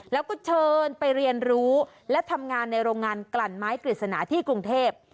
แล้วก็เชิญไปเรียนรู้และทำงานในโรงงานกลั่นไม้กฤษณาที่กรุงเทพ